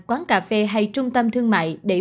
quán cà phê hay trung tâm thương mại